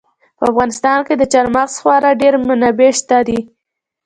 په افغانستان کې د چار مغز خورا ډېرې منابع شته دي.